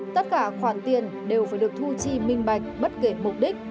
tất cả khoản tiền đều phải được thu chi minh bạch bất kể mục đích